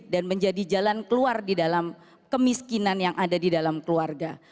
dan menjadi jalan keluar di dalam kemiskinan yang ada di dalam keluarga